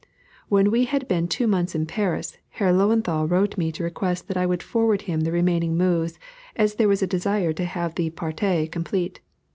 When we had been two months in Paris, Herr Löwenthal wrote me to request that I would forward him the remaining moves, as there was a desire to have the partie complete.